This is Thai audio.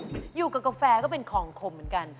อยู่กับกาแฟก็เป็นของขมเหมือนกัน